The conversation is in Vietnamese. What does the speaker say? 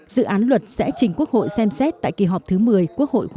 dự án luật sẽ chỉnh quốc hội xem xét tại kỳ họp thứ một mươi quốc hội khóa một mươi